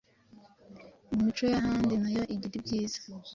Imico y’ahandi na yo igira ibyiza